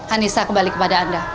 anissa kembali kepada anda